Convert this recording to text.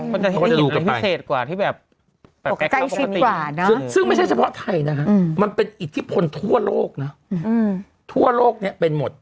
มันก็จะให้มีอะไรพิเศษกว่าที่แบบแก้วปกติซึ่งไม่ใช่เฉพาะไทยนะครับมันเป็นอิทธิพลทั่วโลกนะทั่วโลกนี้เป็นหมด